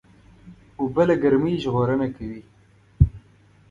اوبه له ګرمۍ ژغورنه کوي.